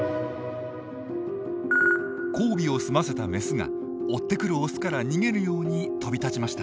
交尾を済ませたメスが追ってくるオスから逃げるように飛び立ちました。